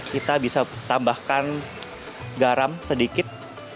kita bisa tambahkan garam sedikit